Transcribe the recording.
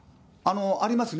ありますね。